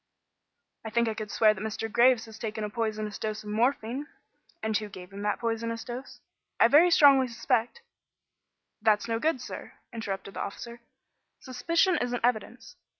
"I think I could swear that Mr. Graves had taken a poisonous dose of morphine." "And who gave him that poisonous dose?" "I very strongly suspect " "That's no good, sir," interrupted the officer. "Suspicion isn't evidence.